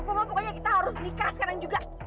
pokoknya kita harus nikah sekarang juga